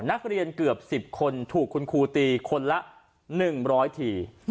นักเรียนเกือบ๑๐คนถูกคุณครูตีคนละ๑๐๐ที